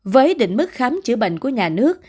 với định mức khám chữa bệnh của nhà nước